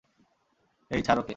এই, ছাড় ওকে।